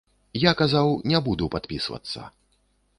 Я казаў, не буду падпісвацца.